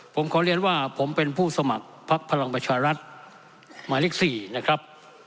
ผมขอเรียนว่าผมเป็นผู้สมัครพักพลังประชารัฐหมายเลข๔นะครับ